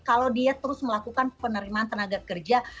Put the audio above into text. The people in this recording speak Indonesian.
kalau dia terus melakukan penerimaan tenaga kerja